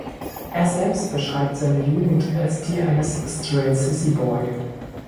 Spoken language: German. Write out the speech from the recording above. Er selbst beschreibt seine Jugend als die eines "straight sissy-boy".